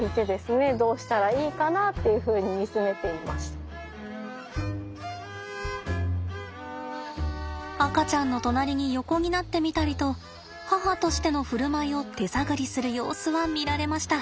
無事に赤ちゃんの隣に横になってみたりと母としての振る舞いを手探りする様子は見られました。